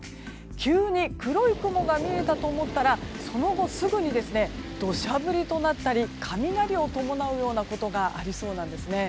急に黒い雲が見えたと思ったらその後すぐに土砂降りとなったり雷を伴うことがありそうなんですね。